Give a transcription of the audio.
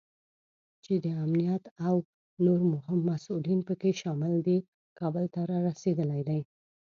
چې د امنیت او نور مهم مسوولین پکې شامل دي، کابل ته رارسېدلی دی